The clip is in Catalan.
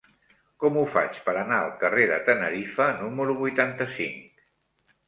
Com ho faig per anar al carrer de Tenerife número vuitanta-cinc?